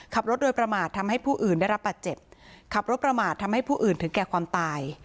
ขับรถโดยประมาททำให้ผู้อื่นได้รับบาดเจ็บขับรถประมาททำให้ผู้อื่นถึงแก่ความตาย